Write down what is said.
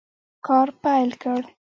کار پیل کړ.